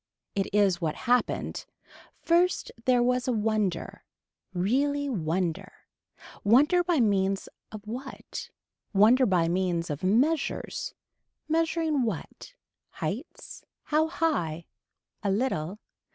It is what happened. First there was a wonder. Really wonder. Wonder by means of what. Wonder by means of measures. Measuring what. Heights. How high. A little.